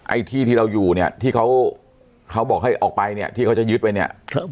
ไอ้ที่ที่เราอยู่เนี่ยที่เขาเขาบอกให้ออกไปเนี่ยที่เขาจะยึดไปเนี่ย